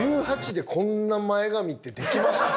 １８でこんな前髪ってできました？